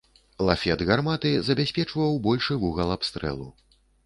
Лафет гарматы забяспечваў большы вугал абстрэлу.